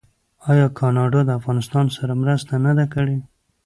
آیا کاناډا د افغانستان سره مرسته نه ده کړې؟